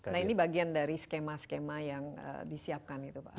nah ini bagian dari skema skema yang disiapkan itu pak